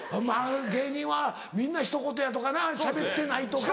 芸人はみんなひと言やとかなしゃべってないとか。